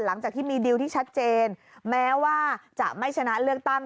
หลังจากที่มีดิวที่ชัดเจนแม้ว่าจะไม่ชนะเลือกตั้ง